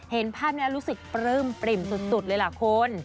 เห็นภาพนี้รู้สึกปลื้มปริ่มสุดเลยล่ะคุณ